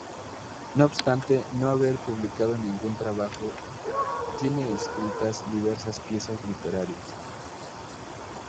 No obstante no haber publicado ningún trabajo, tiene escritas diversas piezas literarias.